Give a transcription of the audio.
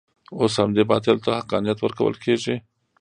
اوس همدې باطلو ته حقانیت ورکول کېږي.